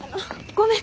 ごめん。